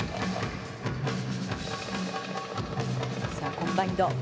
コンバインド。